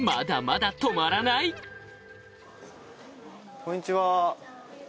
こんにちは。